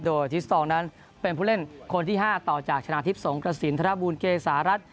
โดยทิสตองนั้นเป็นผู้เล่นคนที่๕ต่อจากชนะทิพย์สงกระสินธนบูลเกษารัฐ